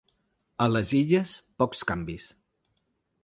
A les Illes, pocs canvis.